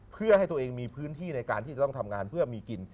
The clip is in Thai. เพื่อให้ตัวเองมีพื้นที่ในการที่จะต้องทำงานเพื่อมีกิน